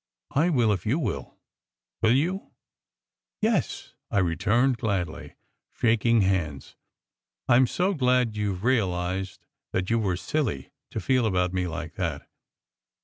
I will if you will. Will you?" "Yes," I returned gladly, shaking hands. "I m so glad you ve realized that you were silly to feel about me like that.